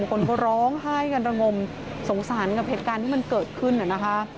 คนก็ร้องไห้กันระงมสงสารกับเหตุการณ์ที่มันเกิดขึ้นนะคะ